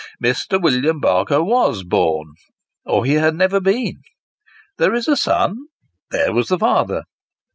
Mr. William Barker was born, or he had never been. There is a son there was a father.